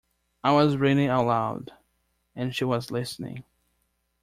I was reading aloud, and she was listening.